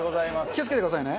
気を付けてくださいね。